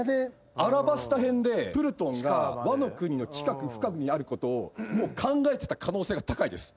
アラバスタ編でプルトンがワノ国の地下深くにあることをもう考えてた可能性が高いです。